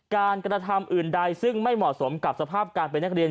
การกระทำอื่นใดซึ่งไม่เหมาะสมกับสภาพการเป็นนักเรียน